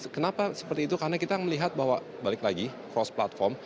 kenapa seperti itu karena kita melihat bahwa balik lagi cross platform